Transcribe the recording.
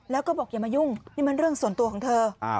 แล้วก็บอกอย่ามายุ่งนี่มันเรื่องส่วนตัวของเธอ